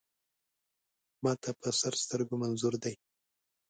ما ته په سر سترګو منظور دی.